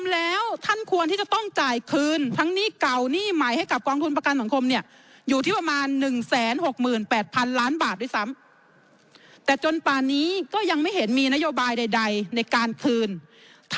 ๘๘๐๐๐ล้านบาท